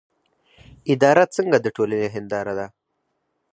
اداره څنګه د ټولنې هنداره ده؟